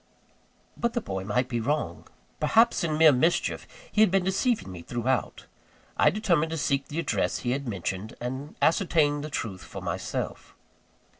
But the boy might be wrong. Perhaps, in mere mischief, he had been deceiving me throughout. I determined to seek the address he had mentioned, and ascertain the truth for myself.